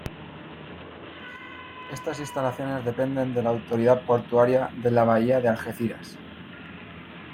Estas instalaciones dependen de la Autoridad Portuaria de la Bahía de Algeciras.